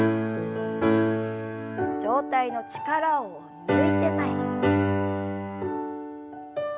上体の力を抜いて前に。